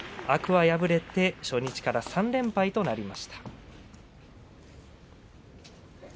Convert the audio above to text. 天空海、敗れて初日から３連敗となりました。